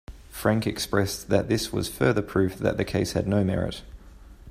Frank expressed that this was further proof that the case had no merit.